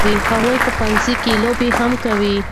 هغوی په ښوونځي کې لوبې هم کوي.